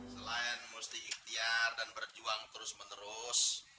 selain mesti ikhtiar dan berjuang terus menerus